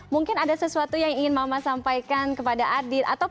mungkin ada sesuatu yang ingin mama sampaikan kepada adit